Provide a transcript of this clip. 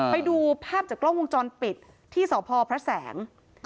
ไปดูภาพจากกล้องวงจรปิดที่สพพระแสง